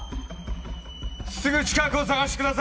すぐ近くを探してください！